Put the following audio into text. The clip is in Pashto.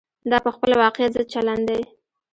دا په خپله واقعیت ضد چلن دی.